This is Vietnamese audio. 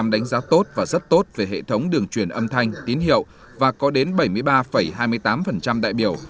chín mươi năm năm đánh giá tốt và rất tốt về hệ thống đường truyền âm thanh tín hiệu và có đến bảy mươi ba hai mươi tám đại biểu